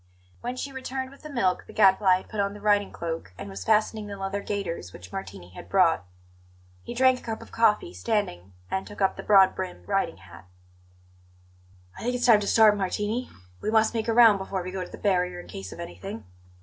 When she returned with the milk the Gadfly had put on the riding cloak and was fastening the leather gaiters which Martini had brought. He drank a cup of coffee, standing, and took up the broad brimmed riding hat. "I think it's time to start, Martini; we must make a round before we go to the barrier, in case of anything.